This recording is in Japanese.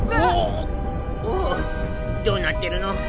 どうなってるの？